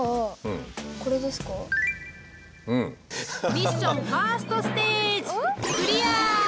ミッションファーストステージやった！